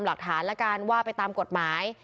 หลักฐานละกันว่าไปตามกฎหมาย